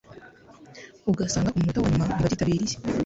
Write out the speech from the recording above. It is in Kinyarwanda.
ugasanga k'umunota wa nyuma ntibabyitabiriye